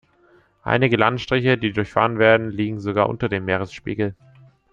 Einige Landstriche, die durchfahren werden, liegen sogar unter dem Meeresspiegel.